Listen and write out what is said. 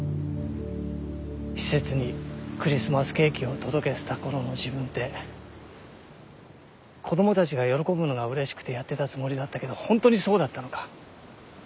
施設にクリスマスケーキを届けてた頃の自分って子どもたちが喜ぶのがうれしくてやってたつもりだったけどホントにそうだったのか。